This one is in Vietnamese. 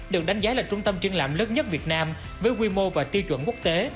được đánh giá là trung tâm triển lãm lớn nhất việt nam với quy mô và tiêu chuẩn quốc tế